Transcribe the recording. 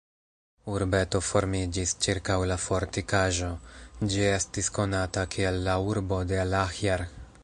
Urbeto formiĝis ĉirkaŭ la fortikaĵo, ĝi estis konata kiel "La urbo de Alahjar".